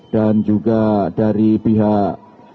dan juga dari pihak